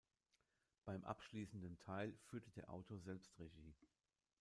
Beim abschließenden Teil führte der Autor selbst Regie.